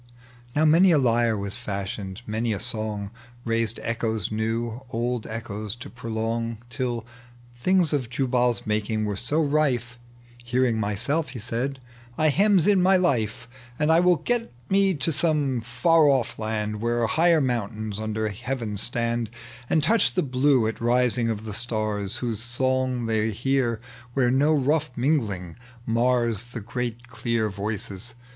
Now many a IjTe was fashioned, many a song liaised echoes new, old echoes to prolong. Till tilings of Jubal'a maMng were so rife, " Hearing myself," he said, " heme in my life, And I will get me to some far off land, Where higher mountains under heaven stand And touch the blue at rising of the stars, Whose song they hear where no rough mingling The great clear voices.